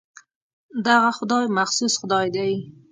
دغه خدای مخصوص خدای دی.